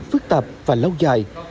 phức tạp và lâu dài